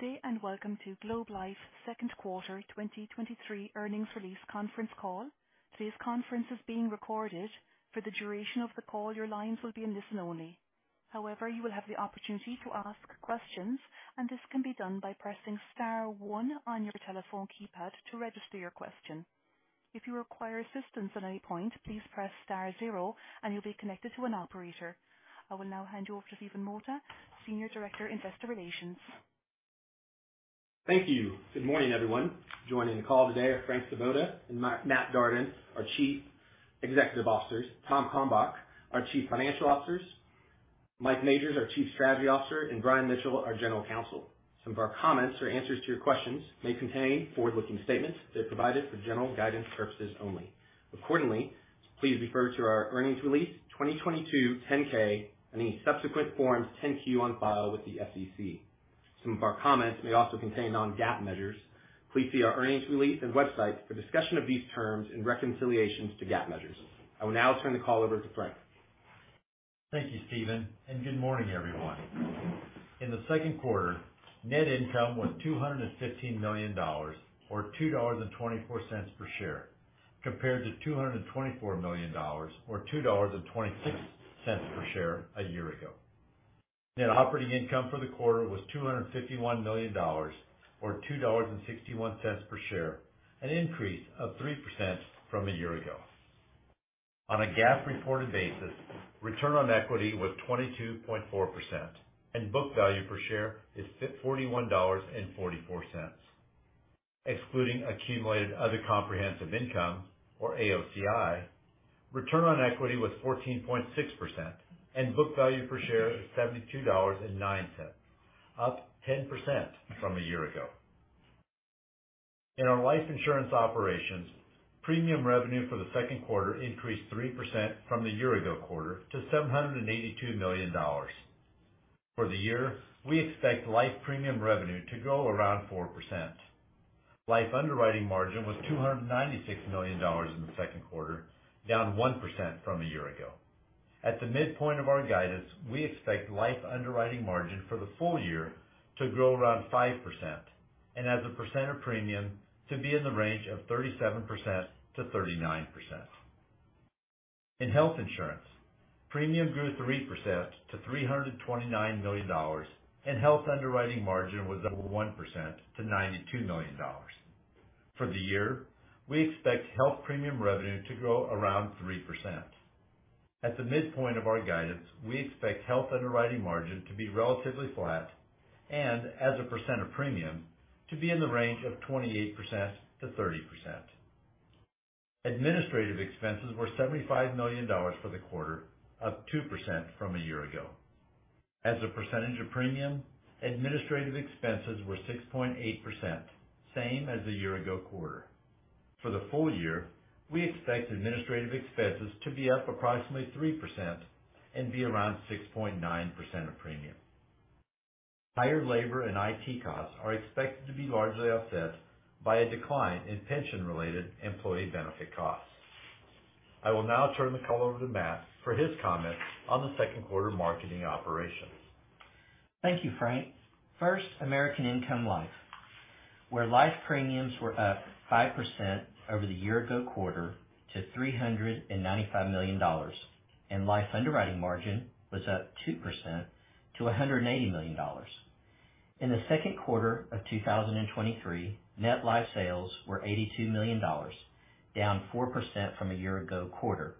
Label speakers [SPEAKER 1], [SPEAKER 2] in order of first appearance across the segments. [SPEAKER 1] Good day. Welcome to Globe Life Second Quarter 2023 Earnings Release Conference Call. Today's conference is being recorded. For the duration of the call, your lines will be in listen-only mode. However, you will have the opportunity to ask questions. This can be done by pressing star one on your telephone keypad to register your question. If you require assistance at any point, please press star zero. You'll be connected to an operator. I will now hand you over to Stephen Mota, Senior Director, Investor Relations.
[SPEAKER 2] Thank you. Good morning, everyone. Joining the call today are Frank Svoboda and Matt Darden, our Co-Chief Executive Officers, Tom Kalmbach, our Chief Financial Officer, Mike Majors, our Chief Strategy Officer, and Brian Mitchell, our General Counsel. Some of our comments or answers to your questions may contain forward-looking statements that are provided for general guidance purposes only. Accordingly, please refer to our earnings release, 2022 10-K, and any subsequent forms 10-Q on file with the SEC. Some of our comments may also contain non-GAAP measures. Please see our earnings release and websites for discussion of these terms and reconciliations to GAAP measures. I will now turn the call over to Frank.
[SPEAKER 3] Thank you, Stephen. Good morning, everyone. In the second quarter, net income was $215 million or $2.24 per share, compared to $224 million or $2.26 per share a year ago. Net operating income for the quarter was $251 million, or $2.61 per share, an increase of 3% from a year ago. On a GAAP reported basis, return on equity was 22.4%, and book value per share is $41.44. Excluding accumulated other comprehensive income, or AOCI, return on equity was 14.6%, and book value per share is $72.09, up 10% from a year ago. In our life insurance operations, premium revenue for the second quarter increased 3% from the year ago quarter to $782 million. For the year, we expect life premium revenue to grow around 4%. Life underwriting margin was $296 million in the second quarter, down 1% from a year ago. At the midpoint of our guidance, we expect life underwriting margin for the full year to grow around 5%, and as a percent of premium, to be in the range of 37%-39%. In health insurance, premium grew 3% to $329 million, and health underwriting margin was up 1% to $92 million. For the year, we expect health premium revenue to grow around 3%. At the midpoint of our guidance, we expect health underwriting margin to be relatively flat and as a percent of premium to be in the range of 28%-30%. Administrative expenses were $75 million for the quarter, up 2% from a year ago. As a percentage of premium, administrative expenses were 6.8%, same as the year ago quarter. For the full year, we expect administrative expenses to be up approximately 3% and be around 6.9% of premium. Higher labor and IT costs are expected to be largely offset by a decline in pension-related employee benefit costs. I will now turn the call over to Matt for his comments on the second quarter marketing operations.
[SPEAKER 4] Thank you, Frank. First, American Income Life, where life premiums were up 5% over the year-ago quarter to $395 million, and life underwriting margin was up 2% to $180 million. In the Second Quarter 2023, net life sales were $82 million, down 4% from a year-ago quarter.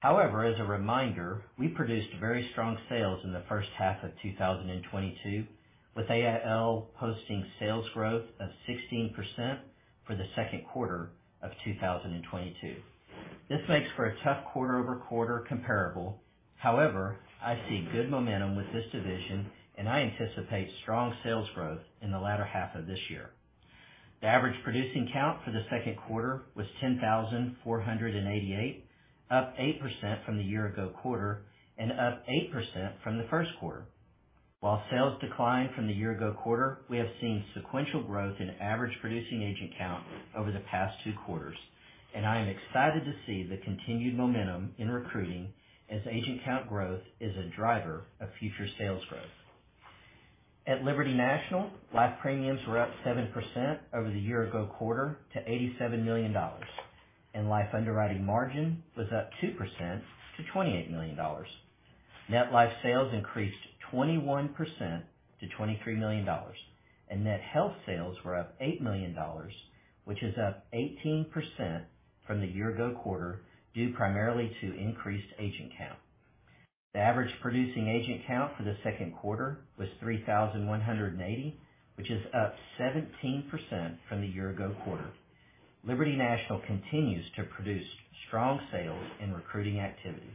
[SPEAKER 4] However, as a reminder, we produced very strong sales in the first half of 2022, with AIL posting sales growth of 16% for the Second Quarter 2022. This makes for a tough quarter-over-quarter comparable. However, I see good momentum with this division, and I anticipate strong sales growth in the latter half of this year. The average producing count for the second quarter was 10,488, up 8% from the year-ago quarter and up 8% from the first quarter. While sales declined from the year-ago quarter, we have seen sequential growth in average producing agent count over the past two quarters, and I am excited to see the continued momentum in recruiting as agent count growth is a driver of future sales growth. At Liberty National, life premiums were up 7% over the year-ago quarter to $87 million, and life underwriting margin was up 2% to $28 million. Net life sales increased 21% to $23 million, and net health sales were up $8 million, which is up 18% from the year-ago quarter, due primarily to increased agent count. The average producing agent count for the second quarter was 3,180, which is up 17% from the year ago quarter. Liberty National continues to produce strong sales and recruiting activity.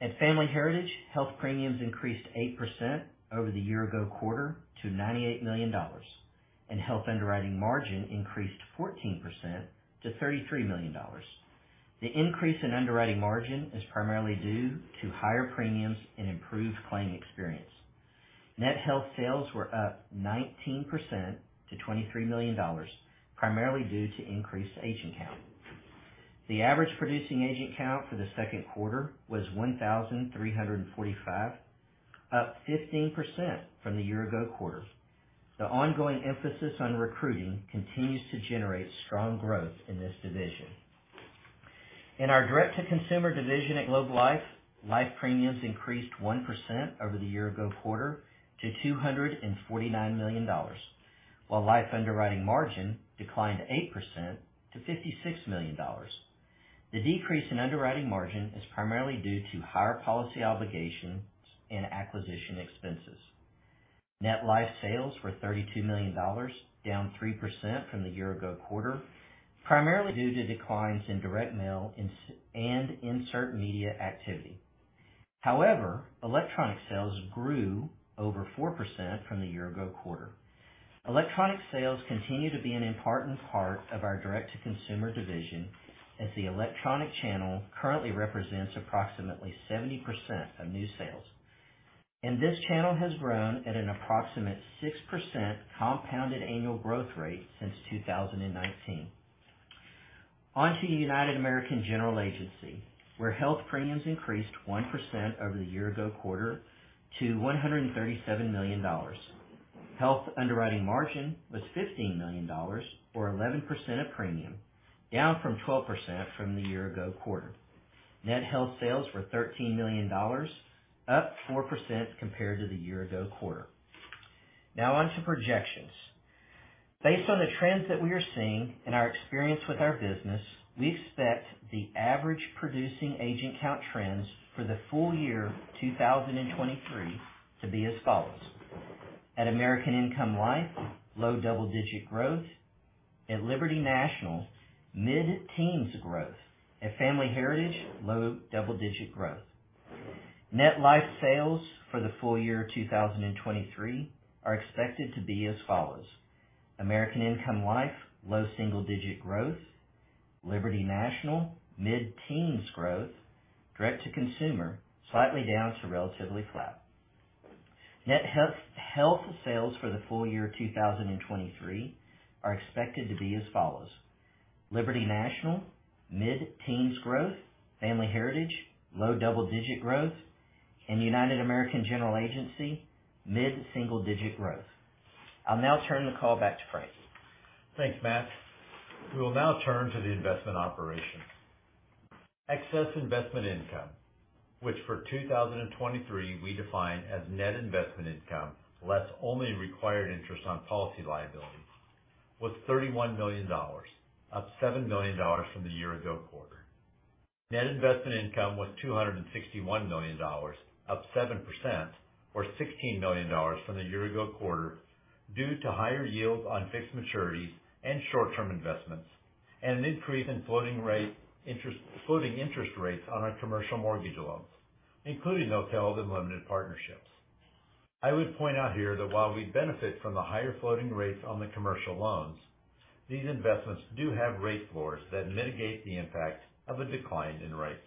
[SPEAKER 4] At Family Heritage, health premiums increased 8% over the year ago quarter to $98 million, and health underwriting margin increased 14% to $33 million. The increase in underwriting margin is primarily due to higher premiums and improved claim experience. Net health sales were up 19% to $23 million, primarily due to increased agent count. The average producing agent count for the second quarter was 1,345, up 15% from the year ago quarter. The ongoing emphasis on recruiting continues to generate strong growth in this division. In our direct to consumer division at Globe Life, life premiums increased 1% over the year ago quarter to $249 million, while life underwriting margin declined 8% to $56 million. The decrease in underwriting margin is primarily due to higher policy obligations and acquisition expenses. Net life sales were $32 million, down 3% from the year ago quarter, primarily due to declines in direct mail and insert media activity. However, electronic sales grew over 4% from the year ago quarter. Electronic sales continue to be an important part of our direct to consumer division, as the electronic channel currently represents approximately 70% of new sales. This channel has grown at an approximate 6% compounded annual growth rate since 2019. On to United American General Agency, where health premiums increased 1% over the year-ago quarter to $137 million. Health underwriting margin was $15 million, or 11% of premium, down from 12% from the year-ago quarter. Net health sales were $13 million, up 4% compared to the year-ago quarter. On to projections. Based on the trends that we are seeing and our experience with our business, we expect the average producing agent count trends for the full year 2023 to be as follows: at American Income Life, low double-digit growth, at Liberty National, mid-teens growth, at Family Heritage, low double-digit growth. Net life sales for the full year 2023 are expected to be as follows: American Income Life, low single-digit growth, Liberty National, mid-teens growth, direct to consumer, slightly down to relatively flat. Net health sales for the full year 2023 are expected to be as follows: Liberty National, mid-teens growth, Family Heritage, low double-digit growth, and United American General Agency, mid single-digit growth. I'll now turn the call back to Frank.
[SPEAKER 3] Thanks, Matt. We will now turn to the investment operations. Excess investment income, which for 2023 we define as net investment income, less only in required interest on policy liabilities, was $31 million, up $7 million from the year ago quarter. Net investment income was $261 million, up 7%, or $16 million from the year ago quarter, due to higher yields on fixed maturities and short-term investments, and an increase in floating rate interest, floating interest rates on our commercial mortgage loans, including hotel and limited partnerships. I would point out here that while we benefit from the higher floating rates on the commercial loans, these investments do have rate floors that mitigate the impact of a decline in rates.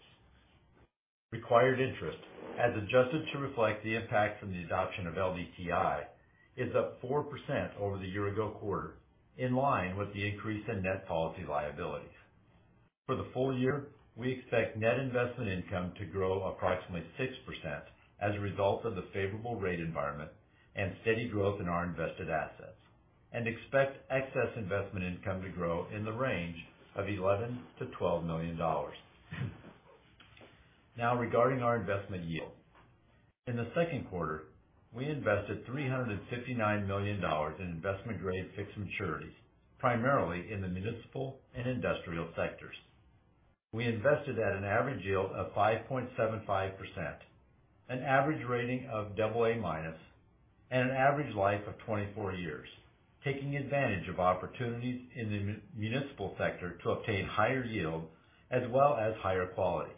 [SPEAKER 3] Required interest, as adjusted to reflect the impact from the adoption of LDTI, is up 4% over the year ago quarter, in line with the increase in net policy liabilities. For the full year, we expect net investment income to grow approximately 6% as a result of the favorable rate environment and steady growth in our invested assets, and expect excess investment income to grow in the range of $11 million-$12 million. Regarding our investment yield. In the second quarter, we invested $359 million in investment-grade fixed maturities, primarily in the municipal and industrial sectors. We invested at an average yield of 5.75%, an average rating of double A-, and an average life of 24 years, taking advantage of opportunities in the municipal sector to obtain higher yield as well as higher quality.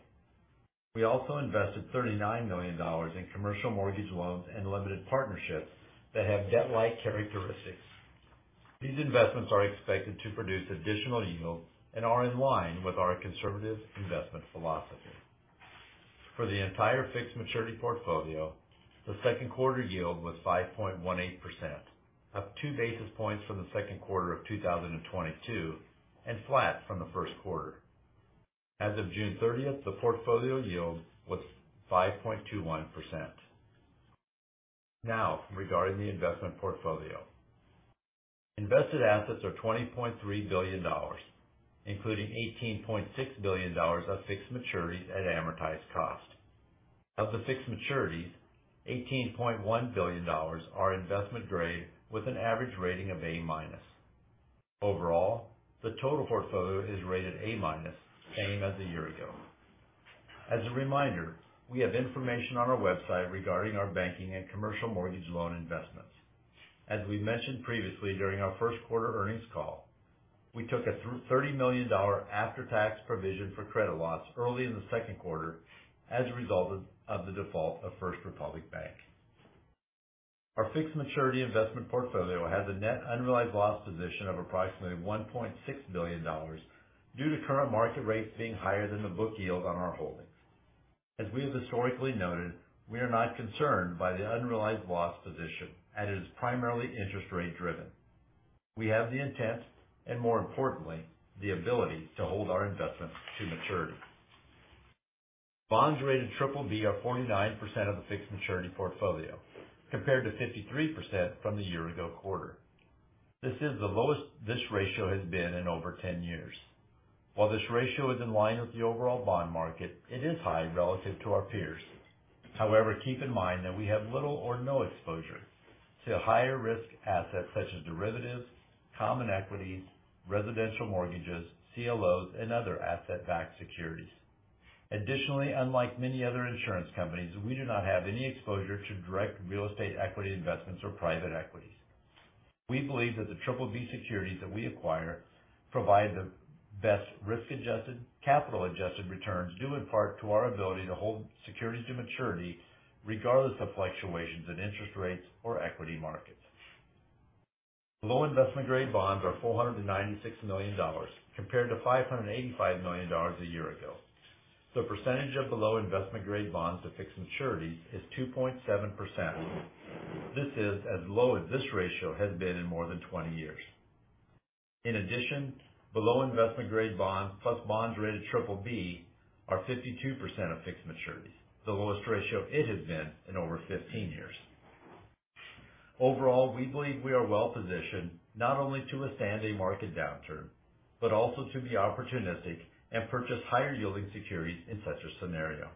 [SPEAKER 3] We also invested $39 million in commercial mortgage loans and limited partnerships that have debt-like characteristics. These investments are expected to produce additional yield and are in line with our conservative investment philosophy. For the entire fixed maturity portfolio, the second quarter yield was 5.18%, up 2 basis points from the second quarter of 2022, and flat from the first quarter. As of June 30th, the portfolio yield was 5.21%. Now, regarding the investment portfolio. Invested assets are $20.3 billion, including $18.6 billion of fixed maturities at amortized cost. Of the fixed maturities, $18.1 billion are investment grade with an average rating of A-. Overall, the total portfolio is rated A-, same as a year ago. As a reminder, we have information on our website regarding our banking and commercial mortgage loan investments. As we mentioned previously, during our first quarter earnings call, we took a $30 million after-tax provision for credit loss early in the second quarter as a result of the default of First Republic Bank. Our fixed maturity investment portfolio has a net unrealized loss position of approximately $1.6 billion due to current market rates being higher than the book yield on our holdings. As we have historically noted, we are not concerned by the unrealized loss position, as it is primarily interest rate driven. We have the intent, and more importantly, the ability to hold our investments to maturity. Bonds rated triple B are 49% of the fixed maturity portfolio, compared to 53% from the year ago quarter. This is the lowest this ratio has been in over 10 years. While this ratio is in line with the overall bond market, it is high relative to our peers. However, keep in mind that we have little or no exposure to higher-risk assets such as derivatives, common equities, residential mortgages, CLOs, and other asset-backed securities. Additionally, unlike many other insurance companies, we do not have any exposure to direct real estate equity investments or private equities. We believe that the triple B securities that we acquire provide the best risk-adjusted, capital-adjusted returns, due in part to our ability to hold securities to maturity, regardless of fluctuations in interest rates or equity markets. Low investment-grade bonds are $496 million, compared to $585 million a year ago. The percentage of the low investment-grade bonds to fixed maturities is 2.7%. This is as low as this ratio has been in more than 20 years. In addition, the low investment grade bonds, plus bonds rated BBB, are 52% of fixed maturities, the lowest ratio it has been in over 15 years. Overall, we believe we are well positioned not only to withstand a market downturn, but also to be opportunistic and purchase higher-yielding securities in such a scenario.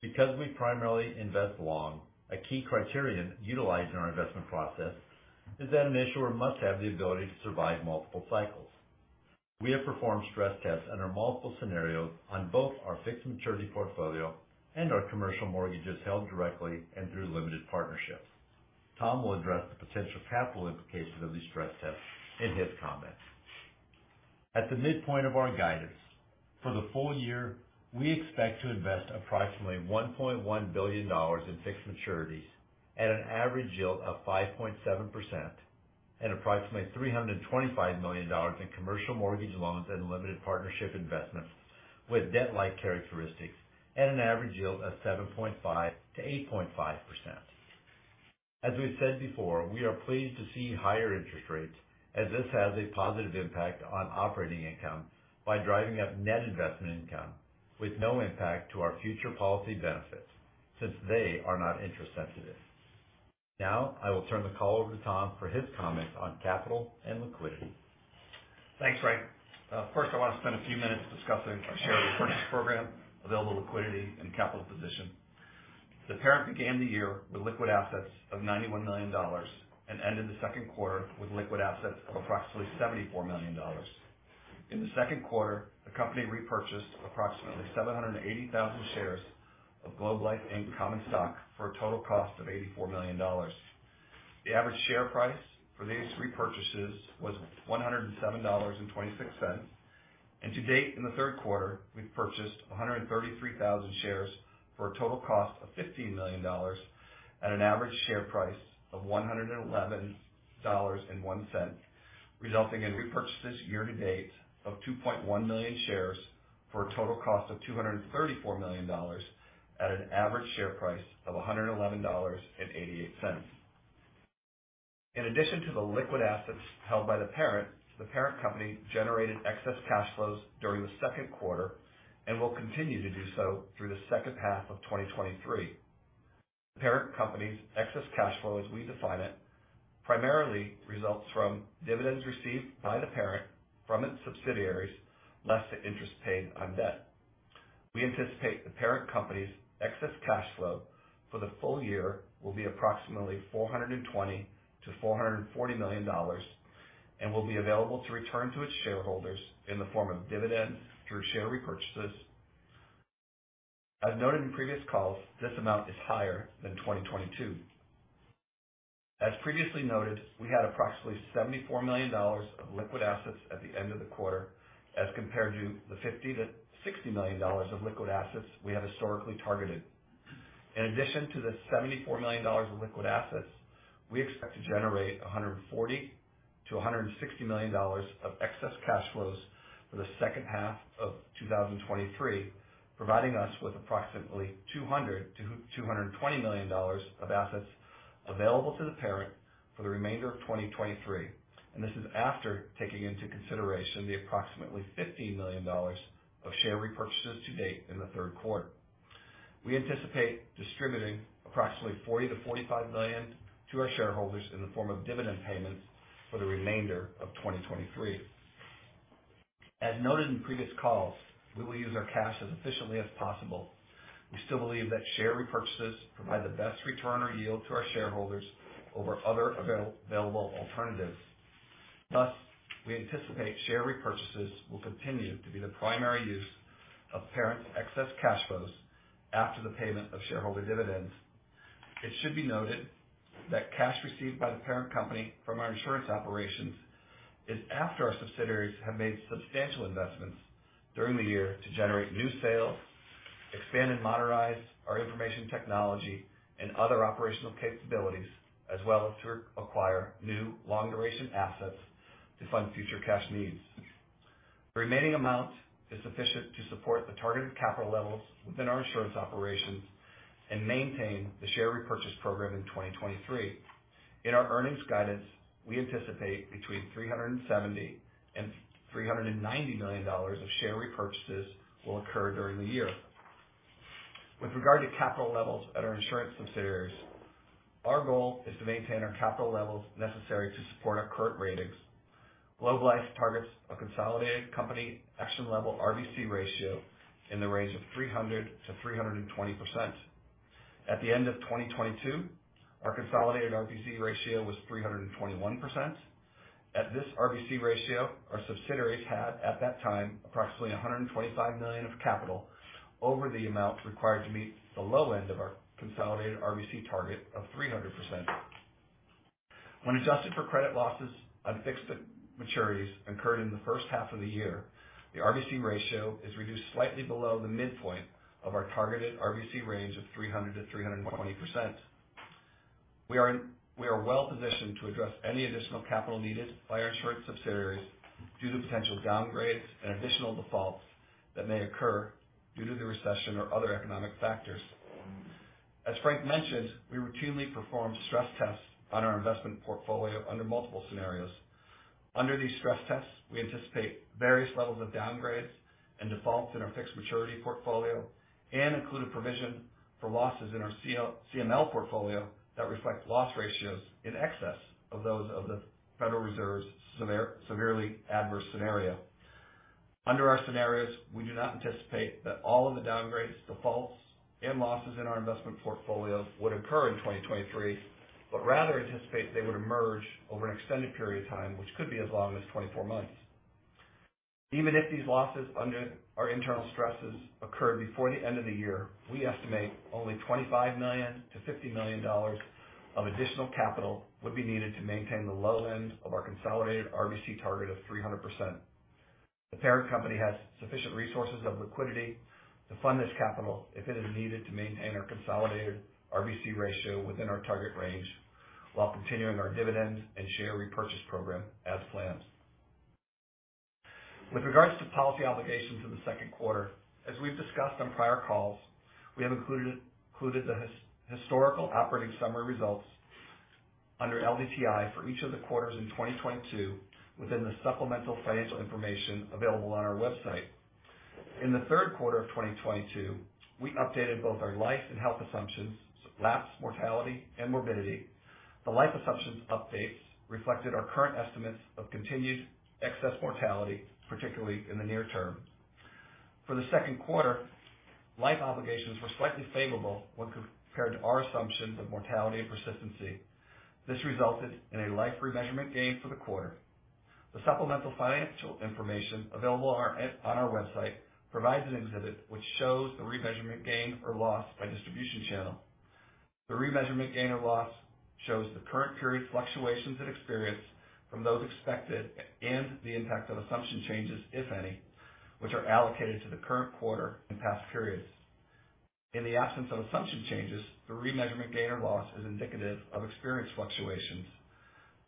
[SPEAKER 3] Because we primarily invest long, a key criterion utilized in our investment process is that an issuer must have the ability to survive multiple cycles. We have performed stress tests under multiple scenarios on both our fixed maturity portfolio and our commercial mortgages held directly and through limited partnerships. Tom will address the potential capital implications of these stress tests in his comments. At the midpoint of our guidance, for the full year, we expect to invest approximately $1.1 billion in fixed maturities at an average yield of 5.7%, and approximately $325 million in commercial mortgage loans and limited partnership investments with debt-like characteristics at an average yield of 7.5%-8.5%. As we've said before, we are pleased to see higher interest rates, as this has a positive impact on operating income by driving up net investment income with no impact to our future policy benefits, since they are not interest sensitive. Now, I will turn the call over to Tom for his comments on capital and liquidity.
[SPEAKER 5] Thanks, Frank. First, I want to spend a few minutes discussing our share repurchase program, available liquidity, and capital position. The parent began the year with liquid assets of $91 million, and ended the second quarter with liquid assets of approximately $74 million. In the second quarter, the company repurchased approximately 780,000 shares of Globe Life Inc common stock, for a total cost of $84 million. The average share price for these repurchases was $107.26. To date, in the third quarter, we've purchased 133,000 shares for a total cost of $15 million at an average share price of $111.01, resulting in repurchases year to date of 2.1 million shares for a total cost of $234 million at an average share price of $111.88. In addition to the liquid assets held by the parent, the parent company generated excess cash flows during the second quarter and will continue to do so through the second half of 2023. The parent company's excess cash flow, as we define it, primarily results from dividends received by the parent from its subsidiaries, less the interest paid on debt. We anticipate the parent company's excess cash flow for the full year will be approximately $420 million-$440 million, will be available to return to its shareholders in the form of dividends through share repurchases. As noted in previous calls, this amount is higher than 2022. As previously noted, we had approximately $74 million of liquid assets at the end of the quarter, as compared to the $50 million-$60 million of liquid assets we have historically targeted. In addition to the $74 million of liquid assets, we expect to generate $140 million-$160 million of excess cash flows for the second half of 2023, providing us with approximately $200 million-$220 million of assets available to the parent for the remainder of 2023, and this is after taking into consideration the approximately $15 million of share repurchases to date in the 3rd quarter. We anticipate distributing approximately $40 million-$45 million to our shareholders in the form of dividend payments for the remainder of 2023. As noted in previous calls, we will use our cash as efficiently as possible. We still believe that share repurchases provide the best return or yield to our shareholders over other available alternatives. We anticipate share repurchases will continue to be the primary use of parent excess cash flows after the payment of shareholder dividends. It should be noted that cash received by the parent company from our insurance operations is after our subsidiaries have made substantial investments during the year to generate new sales, expand our information technology and other operational capabilities, as well as to acquire new long-duration assets to fund future cash needs. The remaining amount is sufficient to support the targeted capital levels within our insurance operations and maintain the share repurchase program in 2023. In our earnings guidance, we anticipate between $370 million and $390 million of share repurchases will occur during the year. With regard to capital levels at our insurance subsidiaries, our goal is to maintain our capital levels necessary to support our current ratings. Globe Life targets a consolidated company action level RBC ratio in the range of 300%-320%. At the end of 2022, our consolidated RBC ratio was 321%. At this RBC ratio, our subsidiaries had, at that time, approximately $125 million of capital over the amount required to meet the low end of our consolidated RBC target of 300%. When adjusted for credit losses on fixed maturities incurred in the first half of the year, the RBC ratio is reduced slightly below the midpoint of our targeted RBC range of 300%-320%. We are well-positioned to address any additional capital needed by our insurance subsidiaries due to potential downgrades and additional defaults that may occur due to the recession or other economic factors. As Frank mentioned, we routinely perform stress tests on our investment portfolio under multiple scenarios. Under these stress tests, we anticipate various levels of downgrades and defaults in our fixed maturity portfolio, and include a provision for losses in our CML portfolio that reflect loss ratios in excess of those of the Federal Reserve's severely adverse scenario. Under our scenarios, we do not anticipate that all of the downgrades, defaults, and losses in our investment portfolios would occur in 2023, but rather anticipate they would emerge over an extended period of time, which could be as long as 24 months. Even if these losses under our internal stresses occur before the end of the year, we estimate only $25 million-$50 million of additional capital would be needed to maintain the low end of our consolidated RBC target of 300%. The parent company has sufficient resources of liquidity to fund this capital if it is needed to maintain our consolidated RBC ratio within our target range, while continuing our dividends and share repurchase program as planned. With regards to policy obligations in the second quarter, as we've discussed on prior calls, we have included the historical operating summary results under LDTI for each of the quarters in 2022 within the supplemental financial information available on our website. In the third quarter of 2022, we updated both our life and health assumptions, lapse, mortality, and morbidity. The life assumptions updates reflected our current estimates of continued excess mortality, particularly in the near term. For the second quarter, life obligations were slightly favorable when compared to our assumptions of mortality and persistency. This resulted in a life remeasurement gain for the quarter. The supplemental financial information available on our website provides an exhibit which shows the remeasurement gain or loss by distribution channel. The remeasurement gain or loss shows the current period fluctuations and experience from those expected, and the impact of assumption changes, if any, which are allocated to the current quarter and past periods. In the absence of assumption changes, the remeasurement gain or loss is indicative of experience fluctuations.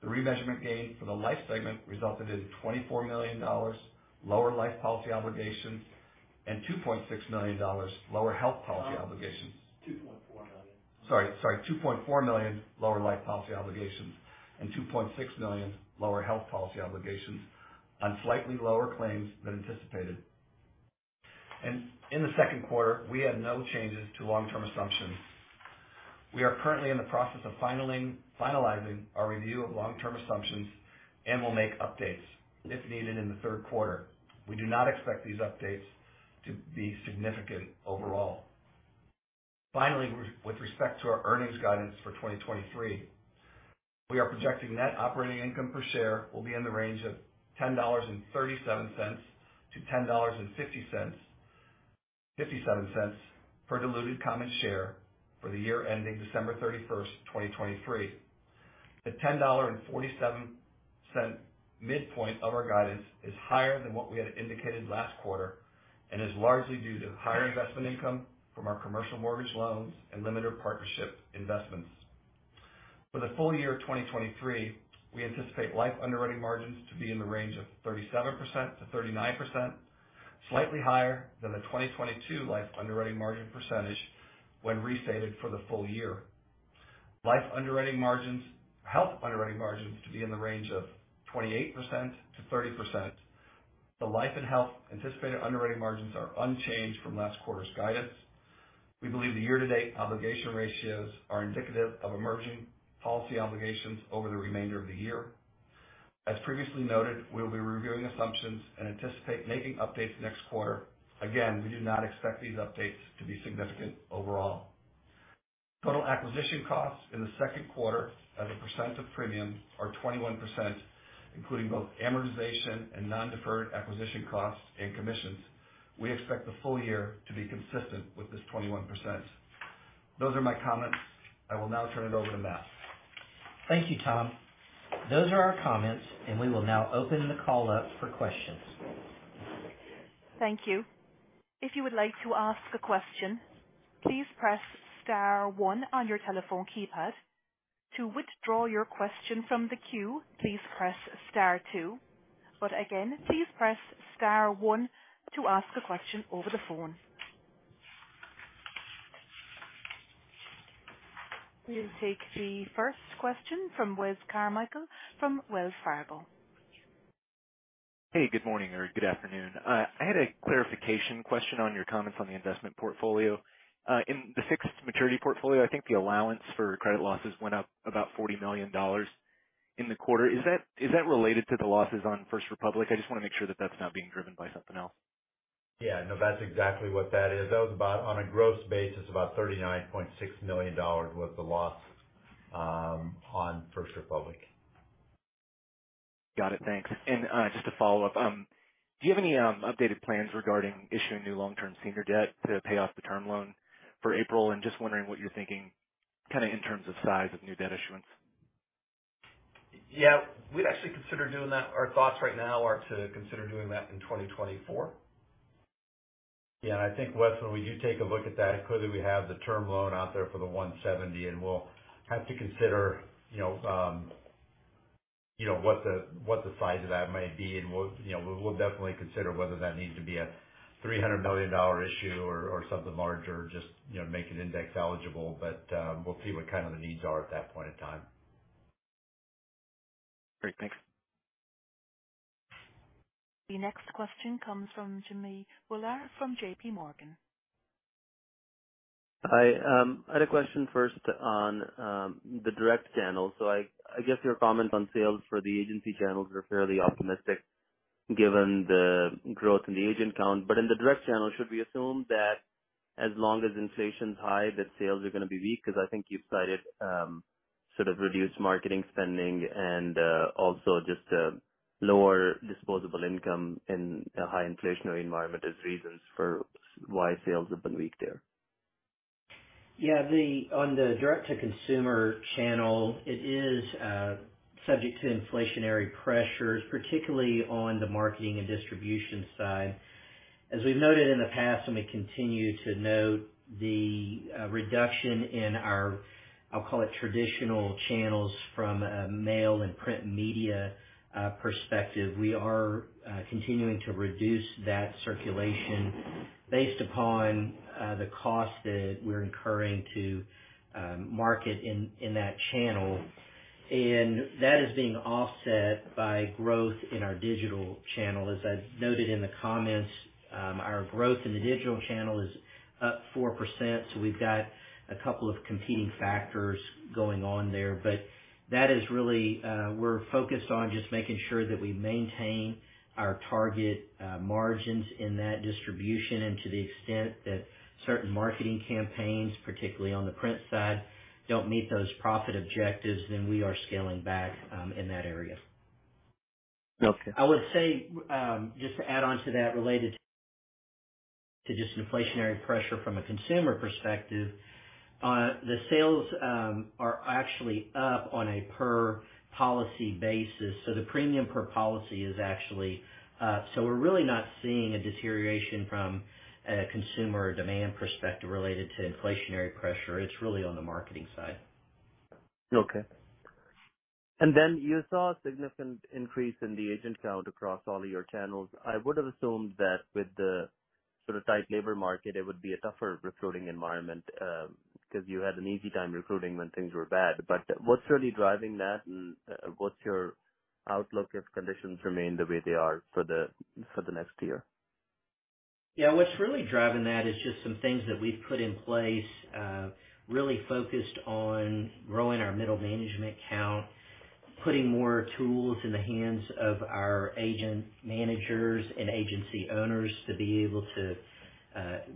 [SPEAKER 5] The remeasurement gain for the life segment resulted in $24 million lower life policy obligations and $2.6 million lower health policy obligations. $2.4 million. Sorry. $2.4 million lower life policy obligations and $2.6 million lower health policy obligations on slightly lower claims than anticipated. In the second quarter, we had no changes to long-term assumptions. We are currently in the process of finalizing our review of long-term assumptions, will make updates if needed in the third quarter. We do not expect these updates to be significant overall. Finally, with respect to our earnings guidance for 2023, we are projecting Net operating income per share will be in the range of $10.37-$10.57 per diluted common share for the year ending December 31st, 2023. The $10.47 midpoint of our guidance is higher than what we had indicated last quarter, is largely due to higher investment income from our commercial mortgage loans and limited partnership investments. For the full year of 2023, we anticipate life underwriting margins to be in the range of 37%-39%, slightly higher than the 2022 life underwriting margin percent when restated for the full year. Life underwriting margins, health underwriting margins to be in the range of 28%-30%. The life and health anticipated underwriting margins are unchanged from last quarter's guidance. We believe the year-to-date obligation ratios are indicative of emerging policy obligations over the remainder of the year. As previously noted, we'll be reviewing assumptions and anticipate making updates next quarter. Again, we do not expect these updates to be significant overall. Total acquisition costs in the second quarter as a percent of premium are 21%, including both amortization and non-deferred acquisition costs and commissions. We expect the full year to be consistent with this 21%. Those are my comments. I will now turn it over to Matt.
[SPEAKER 4] Thank you, Tom. Those are our comments. We will now open the call up for questions.
[SPEAKER 1] Thank you. If you would like to ask a question, please press star one on your telephone keypad. To withdraw your question from the queue, please press star two. Again, please press star one to ask a question over the phone. We'll take the first question from Wes Carmichael from Wells Fargo.
[SPEAKER 6] Hey, good morning or good afternoon. I had a clarification question on your comments on the investment portfolio. In the fixed maturity portfolio, I think the allowance for credit losses went up about $40 million in the quarter. Is that related to the losses on First Republic? I just want to make sure that that's not being driven by something else.
[SPEAKER 3] Yeah, no, that's exactly what that is. That was about, on a gross basis, about $39.6 million was the loss, on First Republic.
[SPEAKER 6] Got it. Thanks. Just to follow up, do you have any updated plans regarding issuing new long-term senior debt to pay off the term loan for April? Just wondering what you're thinking, kind of, in terms of size of new debt issuance?
[SPEAKER 5] Yeah, we'd actually consider doing that. Our thoughts right now are to consider doing that in 2024.
[SPEAKER 3] I think, Wes, when we do take a look at that, clearly we have the term loan out there for the $170, and we'll have to consider, you know, what the size of that might be. We'll, you know, we'll definitely consider whether that needs to be a $300 million issue or, or something larger, just, you know, make it index eligible. We'll see what kind of the needs are at that point in time.
[SPEAKER 6] Great. Thanks.
[SPEAKER 1] The next question comes from Jimmy Bhullar from JPMorgan.
[SPEAKER 7] Hi, I had a question first on the direct channel. I guess your comments on sales for the agency channels are fairly optimistic given the growth in the agent count. In the direct channel, should we assume that as long as inflation's high, that sales are going to be weak? Because I think you've cited sort of reduced marketing spending and also just lower disposable income in a high inflationary environment as reasons why sales have been weak there.
[SPEAKER 4] On the direct-to-consumer channel, it is subject to inflationary pressures, particularly on the marketing and distribution side. As we've noted in the past, and we continue to note, the reduction in our, I'll call it, traditional channels from a mail and print media perspective. We are continuing to reduce that circulation based upon the cost that we're incurring to market in that channel, and that is being offset by growth in our digital channel. As I've noted in the comments, our growth in the digital channel is up 4%, we've got a couple of competing factors going on there. That is really, we're focused on just making sure that we maintain our target margins in that distribution. To the extent that certain marketing campaigns, particularly on the print side, don't meet those profit objectives, then we are scaling back in that area. I would say, just to add on to that, related to just inflationary pressure from a consumer perspective, the sales are actually up on a per policy basis, so the premium per policy is actually. We're really not seeing a deterioration from a consumer demand perspective related to inflationary pressure. It's really on the marketing side.
[SPEAKER 7] Okay. You saw a significant increase in the agent count across all of your channels. I would have assumed that with the sort of tight labor market, it would be a tougher recruiting environment, because you had an easy time recruiting when things were bad. What's really driving that, and what's your outlook if conditions remain the way they are for the next year?
[SPEAKER 4] What's really driving that is just some things that we've put in place, really focused on growing our middle management count, putting more tools in the hands of our agent managers and agency owners to be able to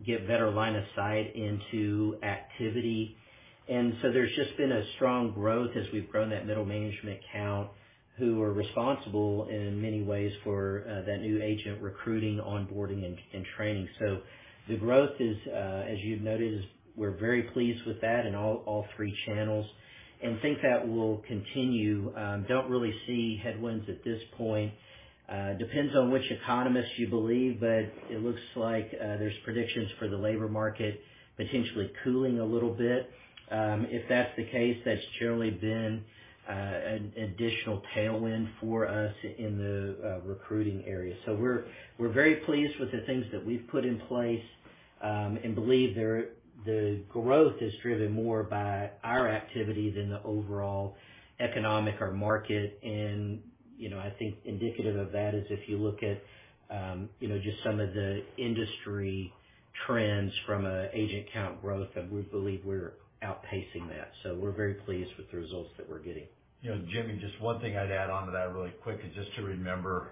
[SPEAKER 4] get better line of sight into activity. There's just been a strong growth as we've grown that middle management count, who are responsible in many ways for that new agent recruiting, onboarding, and training. The growth is, as you've noted, is we're very pleased with that in all three channels and think that will continue. Don't really see headwinds at this point. Depends on which economist you believe, but it looks like there's predictions for the labor market potentially cooling a little bit. If that's the case, that's generally been an additional tailwind for us in the recruiting area. We're very pleased with the things that we've put in place, and believe that, the growth is driven more by our activity than the overall economic or market. You know, I think indicative of that is if you look at, you know, just some of the industry trends from an agent count growth, and we believe we're outpacing that. We're very pleased with the results that we're getting.
[SPEAKER 3] You know, Jimmy, just one thing I'd add on to that really quick is just to remember,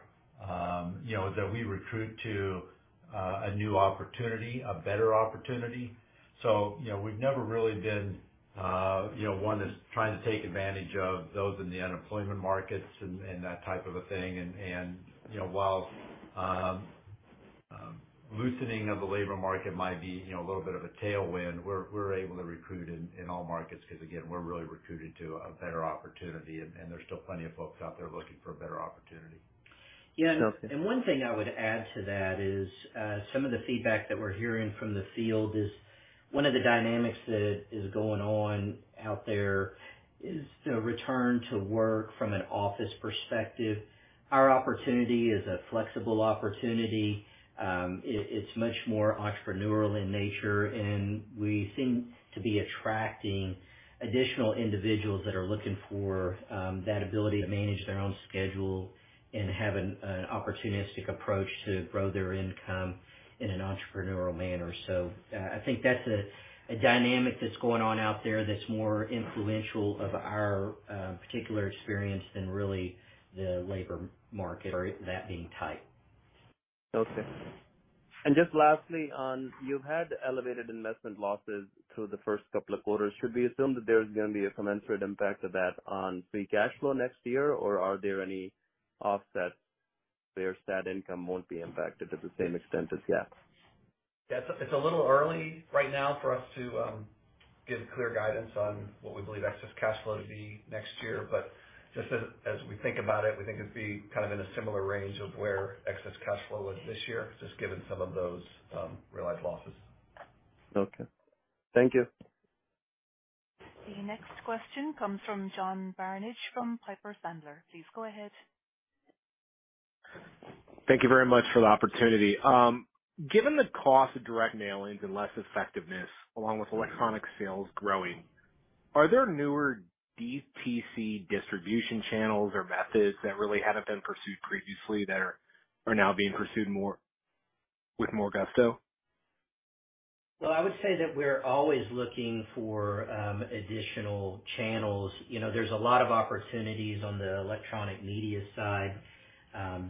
[SPEAKER 3] you know, that we recruit to a new opportunity, a better opportunity. You know, we've never really been, you know, one that's trying to take advantage of those in the unemployment markets and, that type of a thing. And, you know, while loosening of the labor market might be, you know, a little bit of a tailwind. We're able to recruit in all markets because, again, we're really recruiting to a better opportunity, and there's still plenty of folks out there looking for a better opportunity.
[SPEAKER 4] Yeah. One thing I would add to that is some of the feedback that we're hearing from the field is one of the dynamics that is going on out there is the return to work from an office perspective. Our opportunity is a flexible opportunity. It's much more entrepreneurial in nature, and we seem to be attracting additional individuals that are looking for that ability to manage their own schedule and have an opportunistic approach to grow their income in an entrepreneurial manner. I think that's a dynamic that's going on out there that's more influential of our particular experience than really the labor market, or that being tight.
[SPEAKER 7] Okay. Just lastly, on you've had elevated investment losses through the first couple of quarters. Should we assume that there's going to be a commensurate impact of that on free cash flow next year? Are there any offsets where that income won't be impacted to the same extent as yet?
[SPEAKER 5] Yeah, it's a little early right now for us to give clear guidance on what we believe excess cash flow to be next year. Just as, as we think about it, we think it'd be kind of in a similar range of where excess cash flow was this year, just given some of those realized losses.
[SPEAKER 7] Okay. Thank you.
[SPEAKER 1] The next question comes from John Barnidge from Piper Sandler. Please go ahead.
[SPEAKER 8] Thank you very much for the opportunity. Given the cost of direct mailings and less effectiveness, along with electronic sales growing, are there newer DTC distribution channels or methods that really haven't been pursued previously that are now being pursued more with more gusto?
[SPEAKER 4] Well, I would say that we're always looking for additional channels. You know, there are a lot of opportunities on the electronic media side,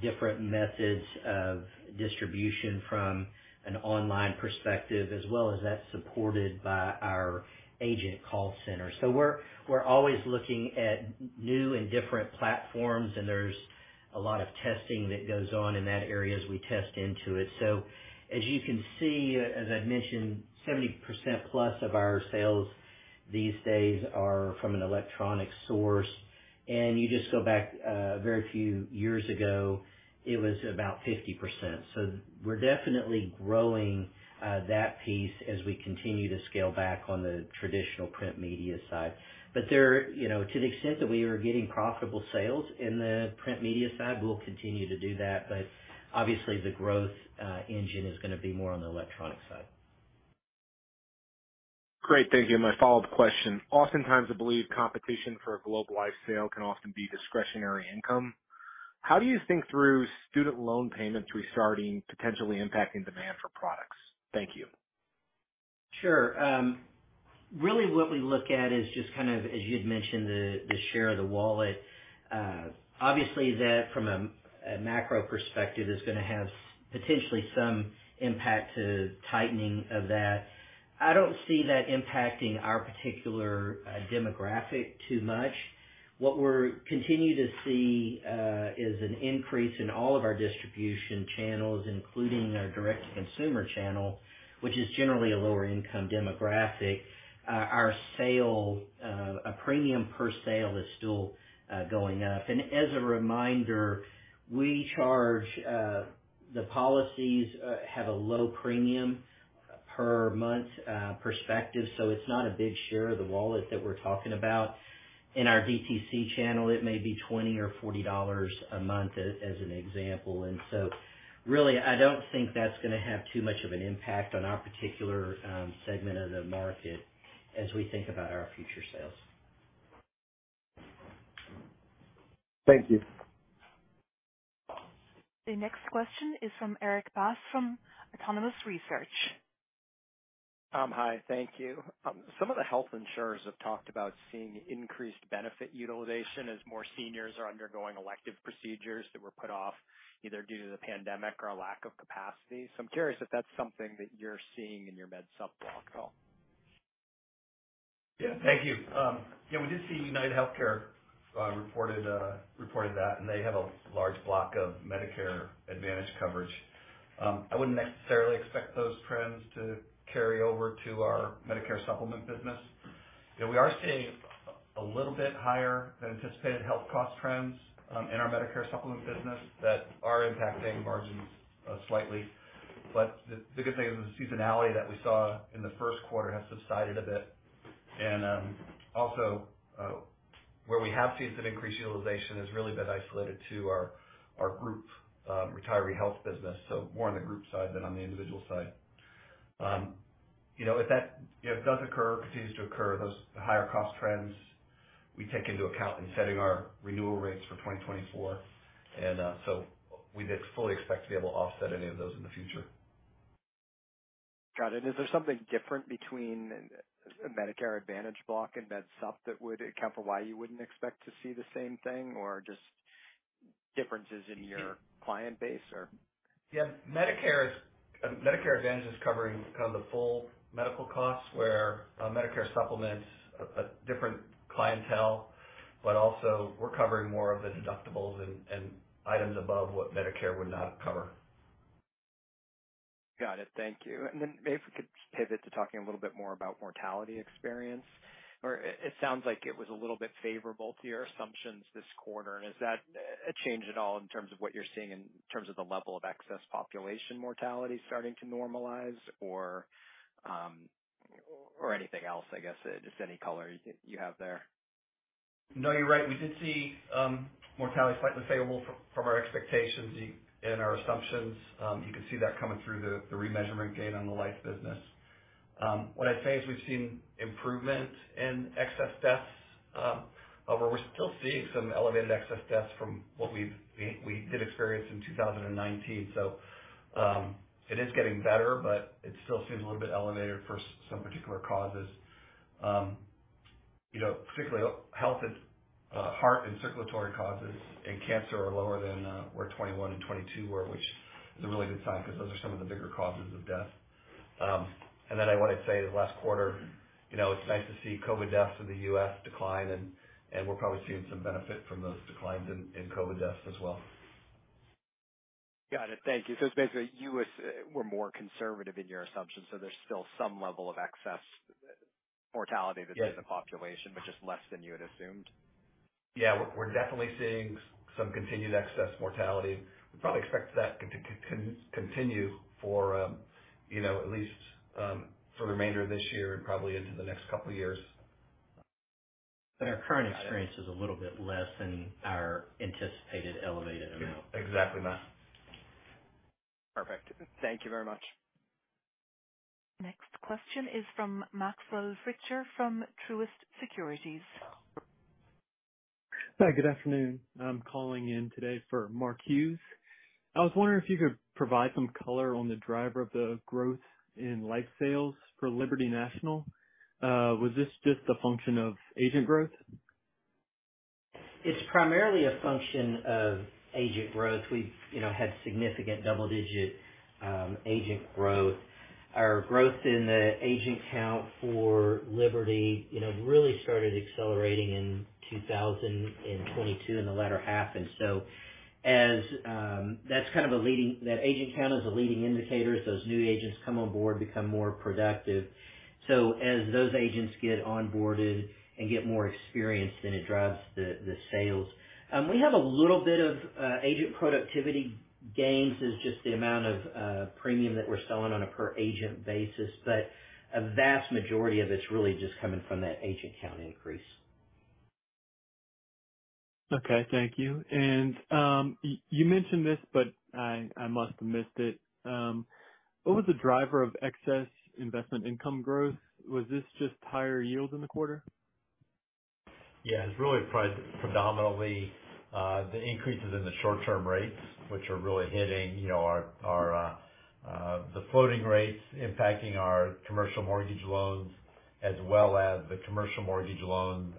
[SPEAKER 4] different methods of distribution from an online perspective, and that's supported by our agent call center. We're always looking at new and different platforms, and there's a lot of testing that goes on in that area as we test into it. As you can see, as I've mentioned, 70%+ of our sales these days are from an electronic source, and you just go back, very few years ago, it was about 50%. We're definitely growing that piece as we continue to scale back on the traditional print media side. There, you know, to the extent that we are getting profitable sales in the print media side, we'll continue to do that, but obviously, the growth, engine is going to be more on the electronic side.
[SPEAKER 8] Great. Thank you. My follow-up question: oftentimes, I believe competition for a Globe Life sale can often be discretionary income. How do you think through student loan payments restarting, potentially impacting demand for products? Thank you.
[SPEAKER 4] Sure. really what we look at is just kind of, as you'd mentioned, the, the share of the wallet. obviously, that, from a macro perspective, is going to have potentially some impact to tightening of that. I don't see that impacting our particular demographic too much. What we're continue to see, is an increase in all of our distribution channels, including our direct-to-consumer channel, which is generally a lower-income demographic. Our sale, a premium per sale is still going up. As a reminder, we charge, the policies, have a low premium per month, perspective, so it's not a big share of the wallet that we're talking about. In our DTC channel, it may be $20 or $40 a month as, as an example. Really, I don't think that's going to have too much of an impact on our particular segment of the market as we think about our future sales.
[SPEAKER 8] Thank you.
[SPEAKER 1] The next question is from Erik Bass, from Autonomous Research.
[SPEAKER 9] Hi. Thank you. Some of the health insurers have talked about seeing increased benefit utilization as more seniors are undergoing elective procedures that were put off, either due to the pandemic or a lack of capacity. I'm curious if that's something that you're seeing in your med supp block at all?
[SPEAKER 5] Yeah. Thank you. We did see UnitedHealthcare reported that. They have a large block of Medicare Advantage coverage. I wouldn't necessarily expect those trends to carry over to our Medicare Supplement business. You know, we are seeing a little bit higher than anticipated health cost trends in our Medicare Supplement business that are impacting margins slightly. The good thing is the seasonality that we saw in the first quarter has subsided a bit. Also, where we have seen some increased utilization has really been isolated to our group retiree health business, so more on the group side than on the individual side. You know, if that, you know, does occur or continues to occur, those higher cost trends, we take into account in setting our renewal rates for 2024. We'd fully expect to be able to offset any of those in the future.
[SPEAKER 9] Got it. Is there something different between a Medicare Advantage block and Med Sup that would account for why you wouldn't expect to see the same thing or just differences in your client base, or?
[SPEAKER 5] Yeah. Medicare Advantage is covering kind of the full medical costs, where Medicare Supplements a different clientele, but also we're covering more of the deductibles and items above what Medicare would not cover.
[SPEAKER 9] Got it. Thank you. Then maybe if we could pivot to talking a little bit more about mortality experience, or it sounds like it was a little bit favorable to your assumptions this quarter. Is that a change at all in terms of what you're seeing in terms of the level of excess population mortality starting to normalize or anything else? I guess just any color you have there.
[SPEAKER 5] You're right. We did see mortality slightly favorable from our expectations and our assumptions. You can see that coming through the remeasurement gain on the life business. What I'd say is we've seen improvement in excess deaths, however, we're still seeing some elevated excess deaths from what we did experience in 2019. It is getting better, but it still seems a little bit elevated for some particular causes. You know, particularly health and heart and circulatory causes and cancer are lower than where 2021 and 2022 were, which is a really good sign because those are some of the bigger causes of death. I want to say that last quarter, you know, it's nice to see COVID deaths in the U.S. decline, and we're probably seeing some benefit from those declines in COVID deaths as well.
[SPEAKER 9] Got it. Thank you. It's basically you were more conservative in your assumptions, so there's still some level of excess mortality within the population, but just less than you had assumed.
[SPEAKER 5] Yeah, we're definitely seeing some continued excess mortality. We probably expect that to continue for, you know, at least for the remainder of this year and probably into the next couple of years.
[SPEAKER 4] Our current experience is a little bit less than our anticipated elevated amount.
[SPEAKER 5] Yeah. Exactly, Matt.
[SPEAKER 9] Perfect. Thank you very much.
[SPEAKER 1] Next question is from Maxwell Fritscher, from Truist Securities.
[SPEAKER 10] Hi, good afternoon. I'm calling in today for Mark Hughes. I was wondering if you could provide some color on the driver of the growth in life sales for Liberty National. Was this just a function of agent growth?
[SPEAKER 4] It's primarily a function of agent growth. We've had significant double-digit, agent growth. Our growth in the agent count for Liberty really started accelerating in 2022, in the latter half. As that agent count is a leading indicator, as those new agents come on board, become more productive. As those agents get onboarded and get more experienced, then it drives the sales. We have a little bit of, agent productivity gains as just the amount of, premium that we're selling on a per agent basis. A vast majority of it's really just coming from that agent count increase.
[SPEAKER 10] Okay, thank you. You mentioned this, but I must have missed it. What was the driver of excess investment income growth? Was this just higher yields in the quarter?
[SPEAKER 5] Yeah, it's really predominantly the increases in the short-term rates, which are really hitting, you know, our floating rates impacting our commercial mortgage loans, as well as the commercial mortgage loan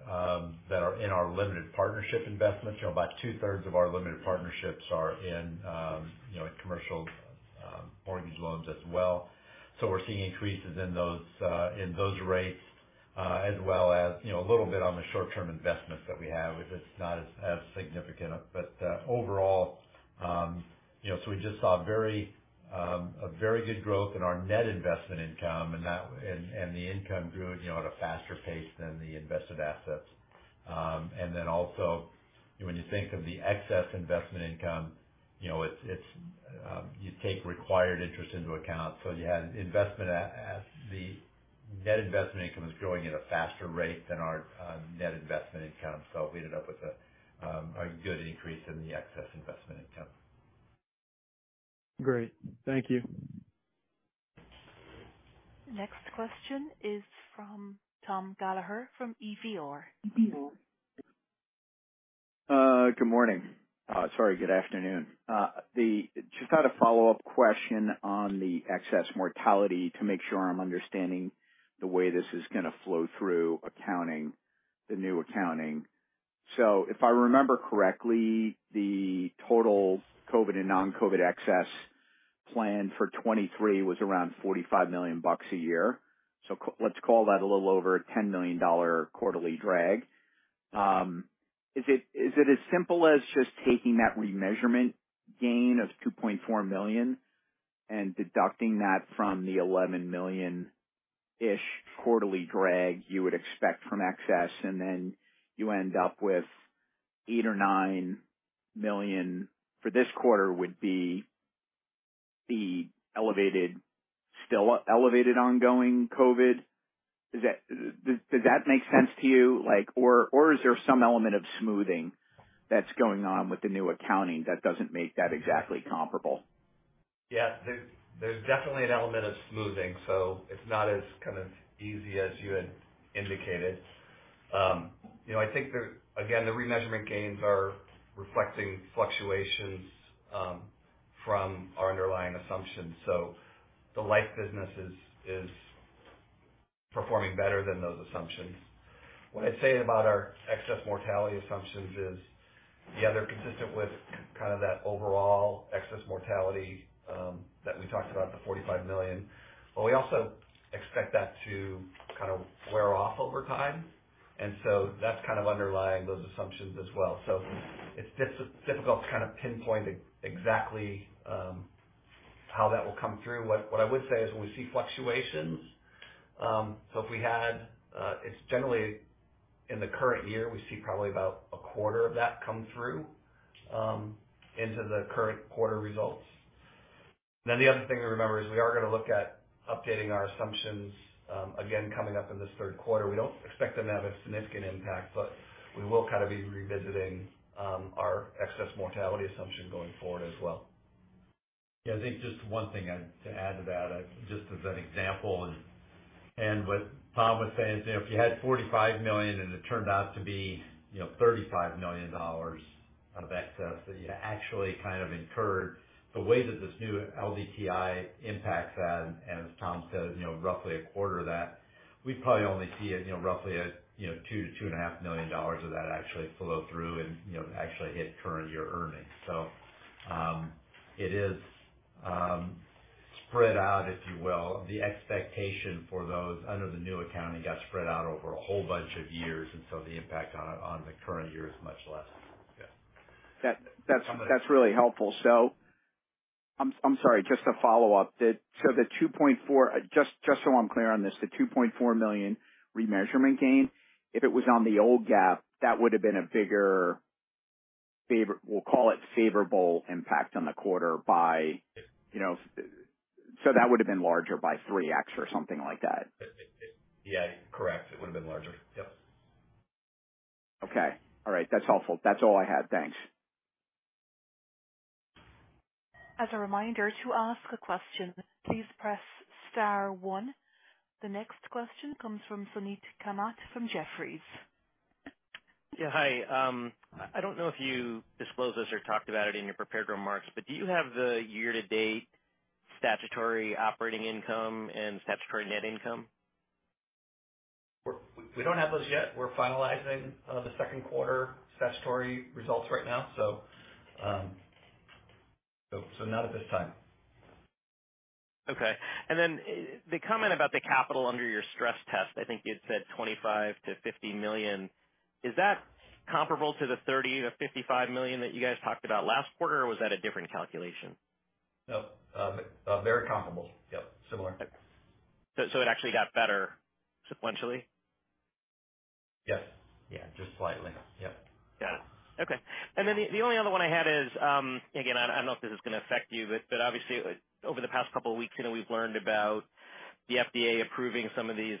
[SPEAKER 5] that are in our limited partnership investments. You know, about two-thirds of our limited partnerships are in commercial mortgage loans as well. We're seeing increases in those rates, as well as a little bit on the short-term investments that we have. It's not as significant, but overall we just saw very good growth in our net investment income, and the income grew at, you know, at a faster pace than the invested assets. When you think of the excess investment income, you know, it's, you take required interest into account. You had net investment income is growing at a faster rate than our net investment income. We ended up with a good increase in the excess investment income.
[SPEAKER 10] Great. Thank you.
[SPEAKER 1] Next question is from Tom Gallagher, from Evercore ISI.
[SPEAKER 11] Good morning. Sorry. Good afternoon. Just had a follow-up question on the excess mortality to make sure I'm understanding the way this is going to flow through accounting, the new accounting. If I remember correctly, the total COVID and non-COVID excess plan for 2023 was around $45 million a year. Let's call that a little over a $10 million quarterly drag. Is it as simple as just taking that remeasurement gain of $2.4 million and deducting that from the $11 million-ish quarterly drag you would expect from excess, and then you end up with $8 million or $9 million for this quarter would be the elevated, still elevated, ongoing COVID? Is that, does that make sense to you? Like or, or is there some element of smoothing that's going on with the new accounting that doesn't make that exactly comparable?
[SPEAKER 5] Yeah, there's definitely an element of smoothing, it's not as kind of easy as you had indicated. You know, I think the, again, the remeasurement gains are reflecting fluctuations from our underlying assumptions. The life business is performing better than those assumptions. What I'd say about our excess mortality assumptions is, yeah, they're consistent with kind of that overall excess mortality that we talked about, the $45 million, we also expect that to kind of wear off over time. That's kind of underlying those assumptions as well. It's difficult to kind of pinpoint exactly how that will come through. What I would say is when we see fluctuations, if we had, it's generally in the current year, we see probably about a quarter of that come through into the current quarter results. The other thing to remember is we are gonna look at updating our assumptions, again, coming up in this third quarter. We don't expect them to have a significant impact, but we will kind of be revisiting, our excess mortality assumption going forward as well.
[SPEAKER 3] Yeah, I think just one thing I'd to add to that, just as an example, and what Tom was saying is, you know, if you had $45 million and it turned out to be, you know, $35 million of excess, that you actually kind of incurred the way that this new LDTI impacts that. As Tom said, you know, roughly a quarter of that, we'd probably only see it, you know, roughly at, you know, $2 million-$2.5 million of that actually flow through and, you know, actually hit current year earnings. it is spread out, if you will. The expectation for those under the new accounting got spread out over a whole bunch of years, and the impact on, on the current year is much less. Yeah.
[SPEAKER 11] That's really helpful. I'm sorry, just to follow up, just so I'm clear on this, the $2.4 million remeasurement gain, if it was on the old GAAP, that would have been a bigger favor. We'll call it favorable impact on the quarter by, you know, that would have been larger by 3x or something like that.
[SPEAKER 3] Yeah, correct. It would have been larger. Yep.
[SPEAKER 11] All right. That's helpful. That's all I had. Thanks.
[SPEAKER 1] As a reminder, to ask a question, please press star one. The next question comes from Suneet Kamath, from Jefferies.
[SPEAKER 12] Yeah. Hi. I don't know if you disclosed this or talked about it in your prepared remarks, but do you have the year-to-date statutory operating income and statutory net income?
[SPEAKER 5] We don't have those yet. We're finalizing the second quarter statutory results right now, so not at this time.
[SPEAKER 12] Okay. Then the comment about the capital under your stress test, I think you'd said $25 million-$50 million. Is that comparable to the $30 million-$55 million that you guys talked about last quarter, or was that a different calculation?
[SPEAKER 5] No, very comparable. Yep, similar.
[SPEAKER 12] it actually got better sequentially?
[SPEAKER 3] Yeah, just slightly. Yep.
[SPEAKER 12] Got it. Okay. The only other one I had is, again, I don't know if this is gonna affect you, but obviously over the past couple of weeks, you know, we've learned about the FDA approving some of these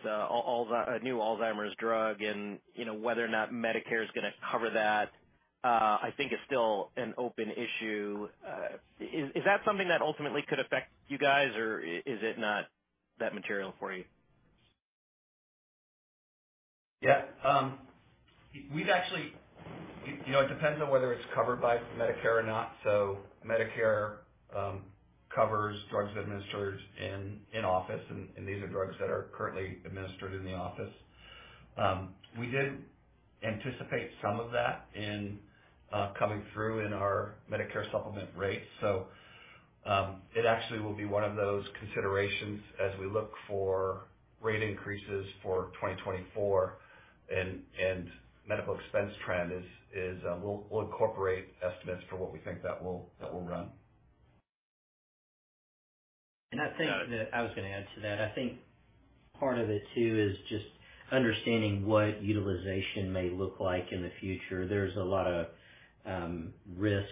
[SPEAKER 12] new Alzheimer's drug. You know, whether or not Medicare is gonna cover that, I think is still an open issue. Is that something that ultimately could affect you guys, or is it not that material for you?
[SPEAKER 5] It depends on whether it's covered by Medicare or not. Medicare covers drugs administered in office, and these are drugs that are currently administered in the office. We did anticipate some of that coming through in our Medicare supplement rates. It actually will be one of those considerations as we look for rate increases for 2024 and medical expense trend is we'll incorporate estimates for what we think that will run.
[SPEAKER 4] I think that I was gonna add to that. I think part of it, too, is just understanding what utilization may look like in the future. There's a lot of risks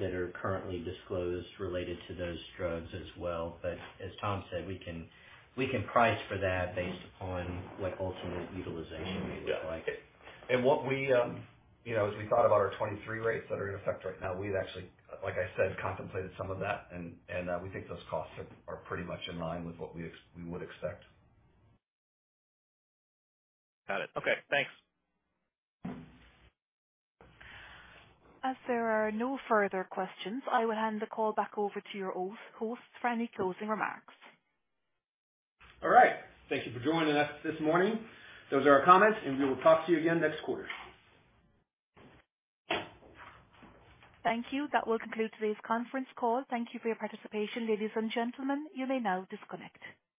[SPEAKER 4] that are currently disclosed related to those drugs as well. As Tom said, we can price for that based upon what ultimate utilization may look like.
[SPEAKER 5] Yeah. What we, you know, as we thought about our 23 rates that are in effect right now, we've actually, like I said, contemplated some of that. We think those costs are pretty much in line with what we would expect.
[SPEAKER 12] Got it. Okay. Thanks.
[SPEAKER 1] There are no further questions, I will hand the call back over to your host for any closing remarks.
[SPEAKER 5] All right. Thank you for joining us this morning. Those are our comments, and we will talk to you again next quarter.
[SPEAKER 1] Thank you. That will conclude today's conference call. Thank you for your participation, ladies and gentlemen, you may now disconnect.